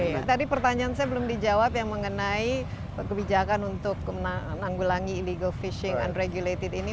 tadi pertanyaan saya belum dijawab ya mengenai kebijakan untuk menanggulangi illegal fishing unregulated ini